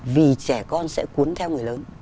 vì trẻ con sẽ cuốn theo người lớn